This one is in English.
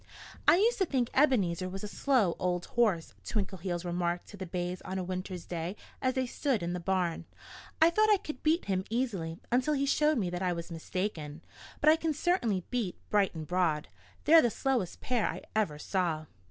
"I used to think Ebenezer was a slow old horse," Twinkleheels remarked to the bays on a winter's day as they stood in the barn. "I thought I could beat him easily until he showed me that I was mistaken. But I can certainly beat Bright and Broad. They're the slowest pair I ever saw."